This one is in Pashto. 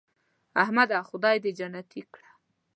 احمده خدای دې جنتې کړه .